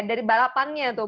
dari balapannya tuh